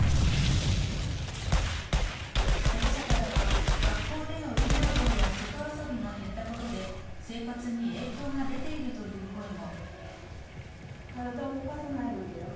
保護者からは学校での運動量や外遊びが減ったことで、生活に影響が出ているという声も。